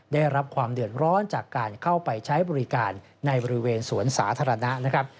ได้รับความเดือดร้อนจากการเข้าไปใช้บริการในบริเวณสวนสาธารณะนะครับ